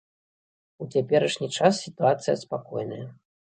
У цяперашні час сітуацыя спакойная.